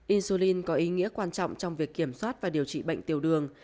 izulin có ý nghĩa quan trọng trong việc kiểm soát và điều trị bệnh tiểu đường